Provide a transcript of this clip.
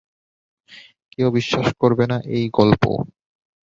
কেউ বিশ্বাস করবে না এই গল্প।